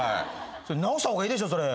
直した方がいいでしょそれ。